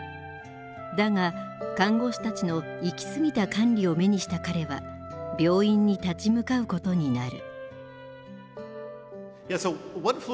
だが看護師たちのいきすぎた管理を目にした彼は病院に立ち向かうことになる。